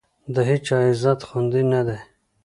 د هېچا عزت خوندي نه دی.